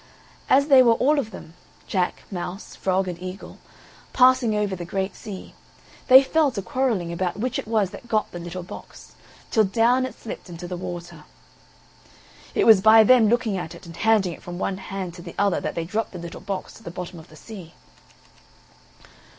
As they were all of them (Jack, mouse, frog, and eagle) passing over the great sea, they fell to quarrelling about which it was that got the little box, till down it slipped into the water. (It was by them looking at it and handing it from one hand to the other that they dropped the little box to the bottom of the sea.)